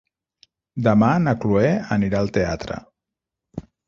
Demà na Chloé anirà al teatre.